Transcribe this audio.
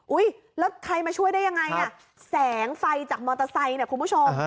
แล้วใครมาช่วยได้ยังไงอ่ะแสงไฟจากมอเตอร์ไซค์เนี่ยคุณผู้ชม